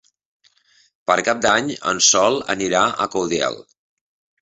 Per Cap d'Any en Sol anirà a Caudiel.